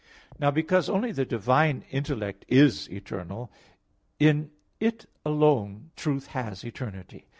Now because only the divine intellect is eternal, in it alone truth has eternity.